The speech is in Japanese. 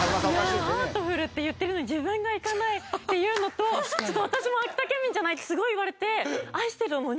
ハートフルって言ってるのに自分が行かないっていうのと私も秋田県民じゃないってすごい言われて愛してるのに。